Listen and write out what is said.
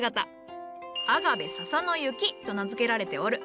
アガベ笹の雪と名付けられておる。